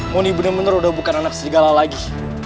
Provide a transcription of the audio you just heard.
muni bener bener udah bukan anak serigala lagi